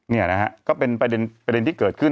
นี่นะฮะก็เป็นประเด็นที่เกิดขึ้น